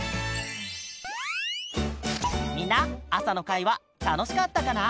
みんなあさのかいはたのしかったかな？